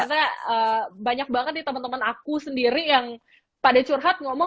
karena banyak banget nih teman teman aku sendiri yang pada curhat ngomong